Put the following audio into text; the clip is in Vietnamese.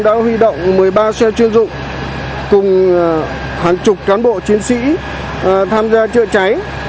đã huy động một mươi ba xe chuyên dụng cùng hàng chục cán bộ chiến sĩ tham gia chữa cháy